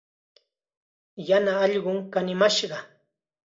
Yana allqum kanimashqa.